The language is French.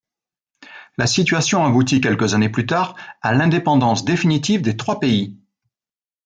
La situation aboutit quelques années plus tard à l'indépendance définitive des trois pays.